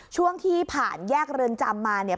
ช่วงที่ผ่านแยกเรือนจำมาเนี่ย